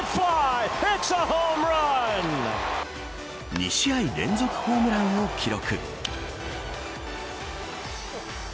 ２試合連続ホームランを記録。